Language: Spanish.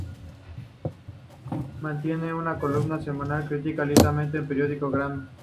Mantiene una columna semanal de crítica literaria en el Periódico Granma.